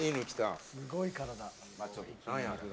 すごい体。